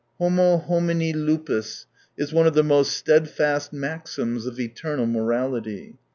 Homo homini lupus is one of the most steadfast maxims of eternal morality.